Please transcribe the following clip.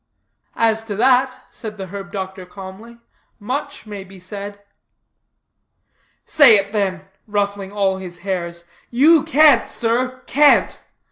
"As to that," said the herb doctor calmly, "much may be said." "Say it, then," ruffling all his hairs. "You can't, sir, can't."